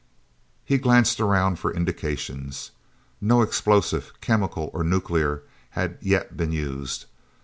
He glanced around for indications. No explosive, chemical or nuclear, had yet been used.